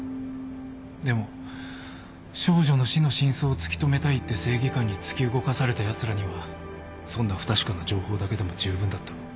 でも少女の死の真相を突き止めたいって正義感に突き動かされたやつらにはそんな不確かな情報だけでも十分だった。